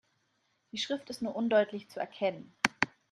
Die Schrift ist nur undeutlich zu erkennen.